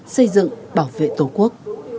xây dựng bảo vệ tổ quốc